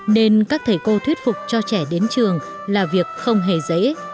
nên các thầy cô thuyết phục cho trẻ đến trường là việc không hề dễ